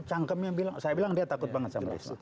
cangkemnya bilang saya bilang dia takut banget sama desa